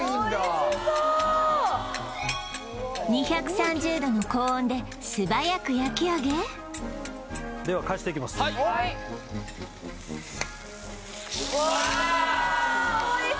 おいしそう２３０度の高温で素早く焼き上げでは返していきますはいわおいし